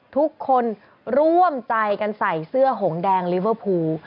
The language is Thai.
ทุกคนร่วมใจกันใส่เสื้อหงแดงลิเวอร์พูล